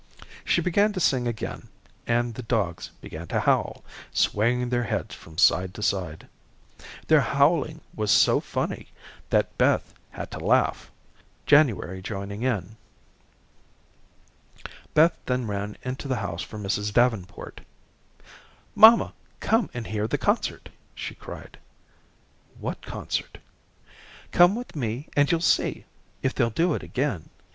She began to sing again, and the dogs began to howl, swaying their heads from side to side. Their howling was so funny that Beth had to laugh, January joining in. Beth then ran into the house for Mrs. Davenport. "Mamma, come and hear the concert," she cried. "What concert?" "Come with me and you'll see, if they'll do it again.